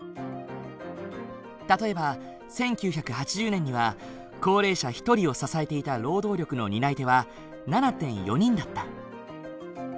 例えば１９８０年には高齢者１人を支えていた労働力の担い手は７．４人だった。